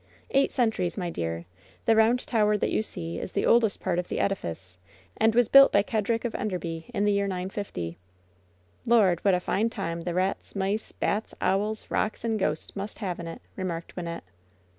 "Eight centuries, my dear. The round tower that you see is the oldest part of the edifice, and was built by Kedrik of Enderbee in the year 950." "Lord, what a fine time the rats, mice, bats, owls, rooks and ghosts must have in it !" remarked Wynnette.